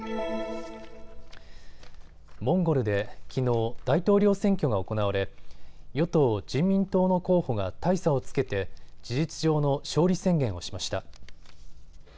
モンゴルできのう、大統領選挙が行われ与党人民党の候補が大差をつけて事実上の勝利宣言をしました。